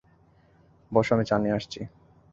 বসো, আমি চা নিয়ে আসছি।